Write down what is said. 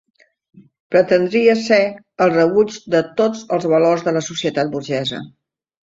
Pretendria ser el rebuig de tots els valors de la societat burgesa.